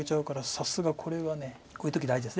さすがこれはこういう時大事です。